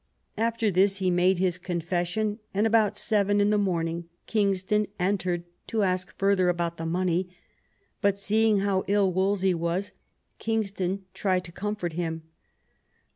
After this he made his confession, and about seven in the morning Kingston entered to ask further about the money. But seeing how ill Wolsey was, Kingston tried to comfort him.